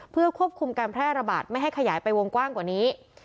เพื่อควบคุมการแพร่ระบาดไม่ให้ขยายไปวงกว้างกว่านี้